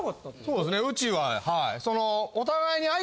そうですねうちははい。